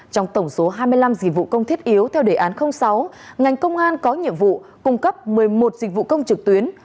trong tổng số hai mươi năm dịch vụ công thiết yếu theo đề án sáu ngành công an có nhiệm vụ cung cấp một mươi một dịch vụ công trực tuyến